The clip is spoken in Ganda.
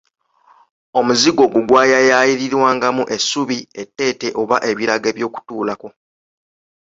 Omuzigo ogwo gwayayayirirwangamu essubi etteete oba ebirago eby'okutuulako.